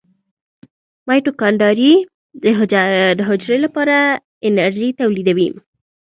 مایتوکاندري د حجرې لپاره انرژي تولیدوي